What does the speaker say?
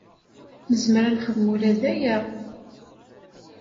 Nezmer ad nexdem ula d aya.